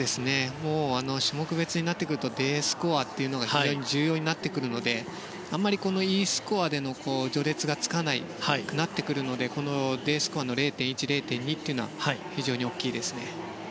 種目別になるとＤスコアが非常に重要になってくるのであんまり、Ｅスコアでの序列がつかなくなってくるのでＤスコアの０．１０．２は非常に大きいですね。